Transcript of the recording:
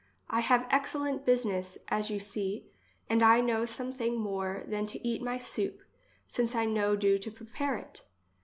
I have excellent business, as you see, and I know some thing more than to eat my soup, since I know do to prepare it.